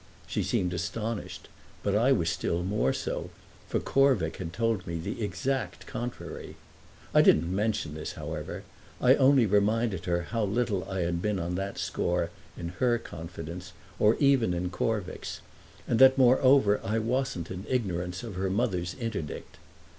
She seemed astonished, but I was still more so, for Corvick had told me the exact contrary. I didn't mention this, however; I only reminded her how little I had been on that score in her confidence, or even in Corvick's, and that, moreover I wasn't in ignorance of her mother's interdict.